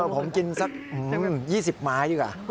ผมกินสัก๒๐ไม้ดีกว่า